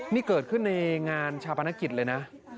นี่เกิดขึ้นในงานชาปนกิจเลยนะ